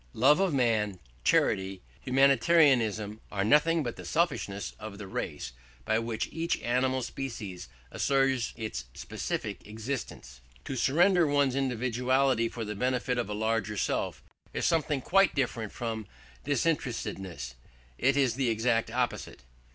"Love of man, charity, humanitarianism are nothing but the selfishness of the race, by which each animal species assures its specific existence." "To surrender one's individuality for the benefit of a larger self is something quite different from disinterestedness; it is the exact opposite."